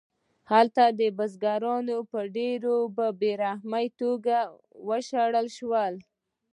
هلته بزګران په ډېره بې رحمانه توګه وشړل شول